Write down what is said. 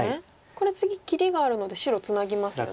これ次切りがあるので白ツナぎますよね。